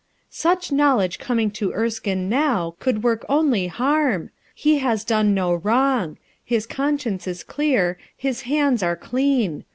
"Such knowledge coming to Erskine now, could work only harm, He has done no wrong; his conscience Ls clear, his hands are clean.